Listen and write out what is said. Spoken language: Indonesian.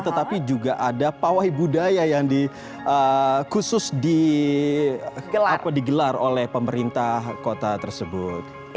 tetapi juga ada pawai budaya yang khusus digelar oleh pemerintah kota tersebut